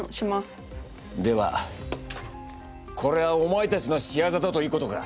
ではこれはお前たちのしわざだということか？